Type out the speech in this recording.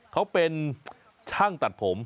เขาเป็นช่างตัดผม